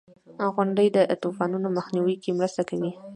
• غونډۍ د طوفانونو مخنیوي کې مرسته کوي.